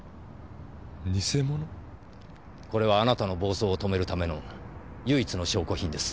これはあなたの暴走を止めるための唯一の証拠品です。